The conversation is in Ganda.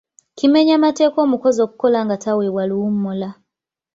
Kimenya mateeka omukozi okukola nga taweebwa luwummula.